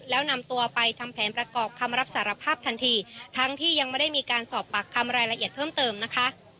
แล้วนำตัวไปทำแผนประกอบคำรับสารภาพทันทีทั้งที่ยังไม่ได้มีการสอบปากคำรายละเอียดเพิ่มเติมนะคะ